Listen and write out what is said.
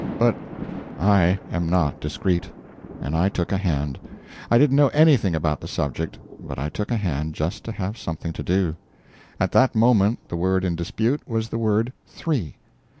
But I am not discreet, and I took a hand. I didn't know anything about the subject, but I took a hand just to have something to do. At that moment the word in dispute was the word three.